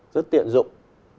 rất tiện dụng